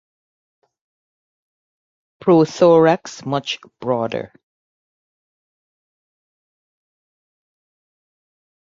Prothorax much broader.